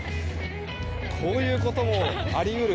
こういうこともあり得る